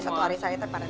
satu hari sate pak rt